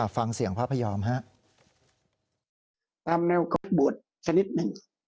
ฟังเสียงพระพยอมฮะตามแนวก็บวชสักนิดหนึ่ง